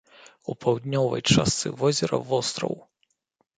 У паўднёвай частцы возера востраў.